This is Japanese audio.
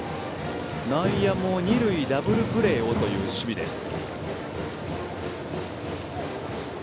内野も二塁ダブルプレーをという守備です。